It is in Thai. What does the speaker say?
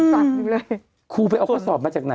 กรมป้องกันแล้วก็บรรเทาสาธารณภัยนะคะ